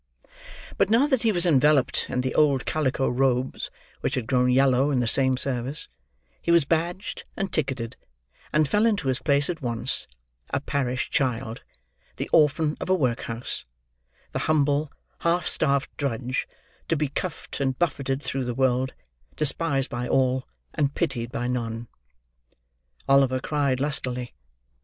But now that he was enveloped in the old calico robes which had grown yellow in the same service, he was badged and ticketed, and fell into his place at once—a parish child—the orphan of a workhouse—the humble, half starved drudge—to be cuffed and buffeted through the world—despised by all, and pitied by none. Oliver cried lustily.